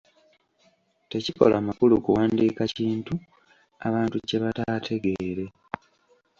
Tekikola makulu kuwandiika kintu abantu kye bataategeere.